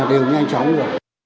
đều nhanh chóng rồi